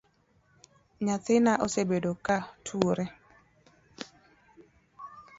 Nyathina osebedo ka tuore